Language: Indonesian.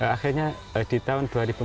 akhirnya di tahun dua ribu empat belas